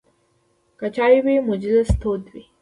که چای وي، مجلس تود وي.